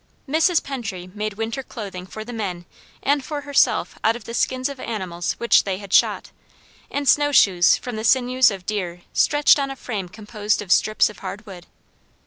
Mrs. Pentry made winter clothing for the men and for herself out of the skins of animals which they had shot, and snow shoes from the sinews of deer stretched on a frame composed of strips of hard wood.